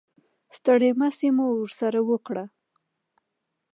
ستړې مسې مو ورسره وکړه.